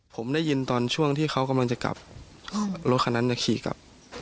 ผมได้ยินตอนช่วงที่เขากำลังจะกลับรถคันนั้นขี่กลับ